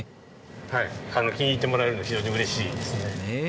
はい気に入ってもらえるのは非常に嬉しいですね。